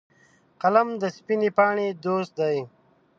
قلم د سپینې پاڼې دوست دی